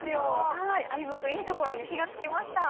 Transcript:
はい歩夢君いいところに気が付きました。